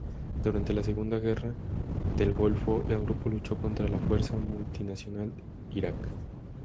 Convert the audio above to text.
Durante la Segunda Guerra del Golfo, el grupo luchó contra la Fuerza Multinacional Irak.